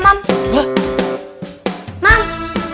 emang ini korea bikin salah apa sama mams